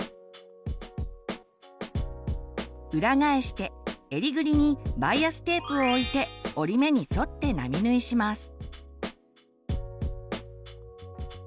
裏返して襟ぐりにバイアステープを置いて折り目に沿って並縫いします。